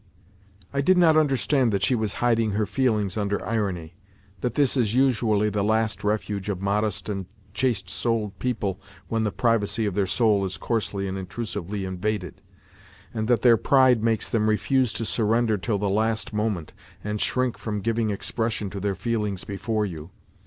I did not understand that she was hiding her feelings under irony, that this is usually the last refuge of modest and chaste souled people when the privacy of their soul is coarsely and intrusively invaded, and that their pride makes them refuse to surrender till the last moment and shrink from giving expression to their feelings before you.